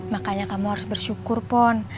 makanya kamu harus bersyukur pon